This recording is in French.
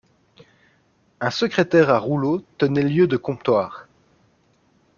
Un secrétaire à rouleau tenait lieu de comptoir.